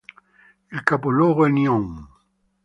Il capoluogo è Nyon.